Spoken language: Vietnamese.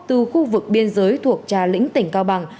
từ khu vực biên giới thuộc trà lĩnh tỉnh cao bằng